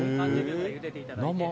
３０秒ゆでていただいて。